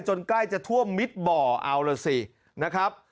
ใกล้จะท่วมมิดบ่อเอาล่ะสินะครับ